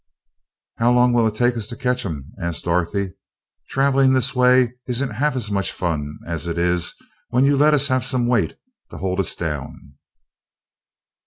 "How long will it take us to catch 'em?" asked Dorothy "Traveling this way isn't half as much fun as it is when you let us have some weight to hold us down."